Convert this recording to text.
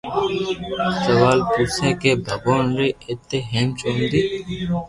سوال پوسي ڪي ڀگوان ري ايتي ھيم دوندي